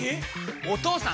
お義父さん！